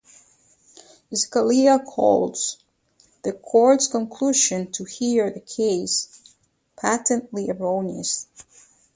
Scalia calls the Court's conclusion to hear the case "patently erroneous".